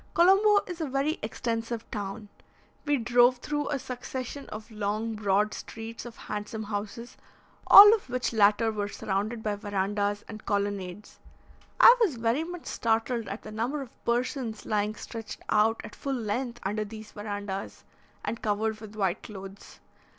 Colombo is a very extensive town. We drove through a succession of long, broad streets of handsome houses, all of which latter were surrounded by verandahs and colonnades. I was very much startled at the number of persons lying stretched out at full length under these verandahs, and covered with white clothes.